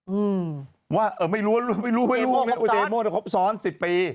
อื้อว่าไม่รู้เจโม่ครบซ้อน๑๐ปี